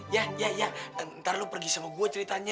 ya ya ya ntar lo pergi sama gue ceritanya